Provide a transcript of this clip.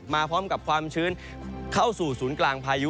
มาพร้อมกับความชื้นเข้าสู่ศูนย์กลางพายุ